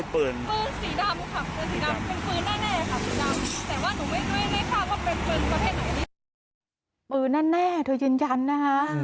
ปืนนั่นแน่เธอยินยันนะคะ